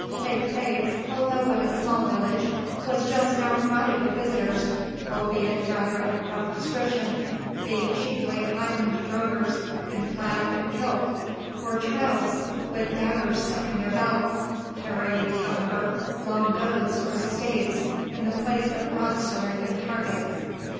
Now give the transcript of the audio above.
Saint Faith's, although but a small village, was just now crowded with visitors, albeit rather of a rough description, being chiefly highland drovers in plaid and kilt, or trowes, with daggers stuck in their belts, carrying, however, long goads or staves in the place of broadsword and targets.